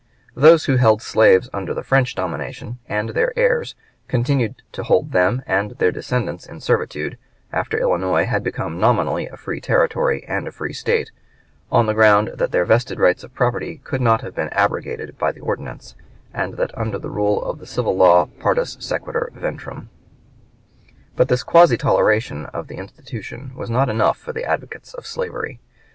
Those who held slaves under the French domination, and their heirs, continued to hold them and their descendants in servitude, after Illinois had become nominally a free territory and a free State, on the ground that their vested rights of property could not have been abrogated by the ordinance, and that under the rule of the civil law partus sequitur ventrem. But this quasi toleration of the institution was not enough for the advocates of slavery.